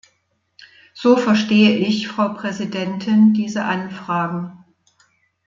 So verstehe ich, Frau Präsidentin, diese Anfragen.